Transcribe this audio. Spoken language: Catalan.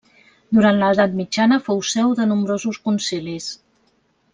Durant l'edat mitjana fou seu de nombrosos concilis.